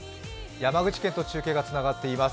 山口県と中継がつながっています。